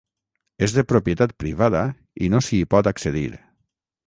És de propietat privada i no s'hi pot accedir.